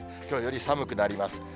きょうより寒くなります。